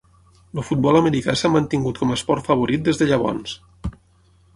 El futbol americà s'ha mantingut com a esport favorit des de llavors.